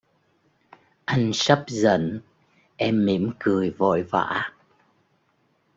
Anh sắp giận, em mỉm cười vội vã